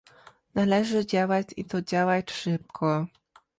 Należy działać i to działać szybko